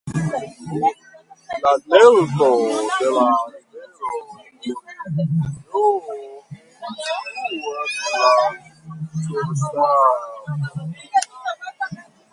La delto de la rivero Orinoko situas en la subŝtato.